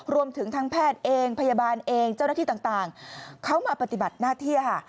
รวมถึงทางแพทย์เองพยาบาลเองเจ้าหน้าที่ต่างเขามาปฏิบัติหน้าที่ค่ะ